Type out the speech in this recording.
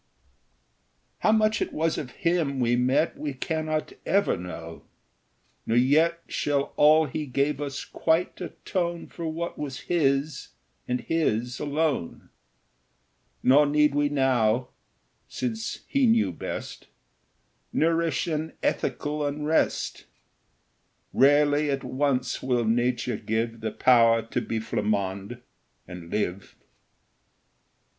How much it was of him we met We cannot ever know; nor yet Shall all he gave us quite atone For what was his, and his alone; Nor need we now, since he knew best, Nourish an ethical unrest: Rarely at once will nature give The power to be Flammonde and live.